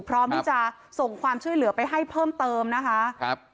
พร้อมที่จะส่งความช่วยเหลือไปให้เพิ่มเติมนะคะครับ